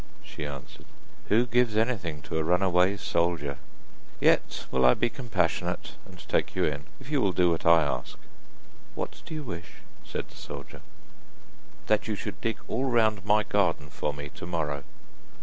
she answered, 'who gives anything to a run away soldier? Yet will I be compassionate, and take you in, if you will do what I wish.' 'What do you wish?' said the soldier. 'That you should dig all round my garden for me, tomorrow.